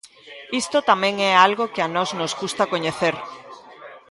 Isto tamén é algo que a nós nos custa coñecer.